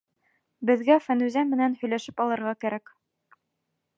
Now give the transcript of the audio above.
Беҙгә Фәнүзә менән һөйләшеп алырға кәрәк.